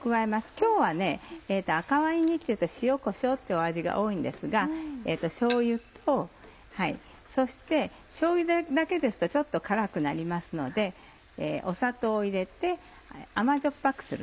今日は赤ワイン煮っていうと塩こしょうっていう味が多いんですがしょうゆとそしてしょうゆだけですとちょっと辛くなりますので砂糖を入れて甘じょっぱくする。